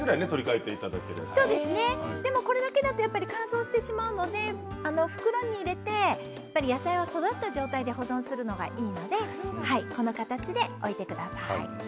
これだけだと乾燥してしまうので袋に入れて野菜は育った状態で保存するのがいいのでこの形で置いてください。